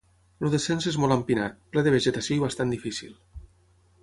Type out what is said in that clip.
El descens és molt empinat, ple de vegetació i bastant difícil.